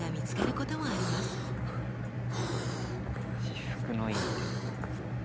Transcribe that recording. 私服のいい点。